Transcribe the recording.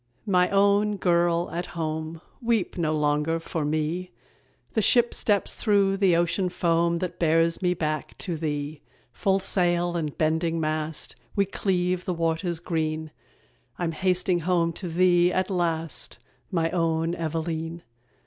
_ My own girl at home, Weep no longer for me, The ship steps through the ocean foam That bears me back to thee. Full sail and bending mast, We cleave the waters green; I'm hasting home to thee, at last, My own Eveleen.